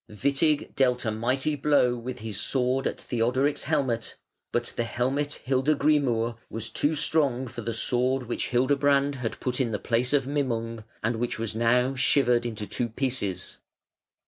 Witig dealt a mighty blow with his sword at Theodoric's helmet, but the helmet Hildegrimur was too strong for the sword which Hildebrand had put in the place of Mimung, and which now was shivered into two pieces.